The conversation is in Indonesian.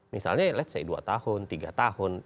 misalnya let's say dua tahun tiga tahun